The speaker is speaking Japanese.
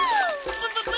プププ！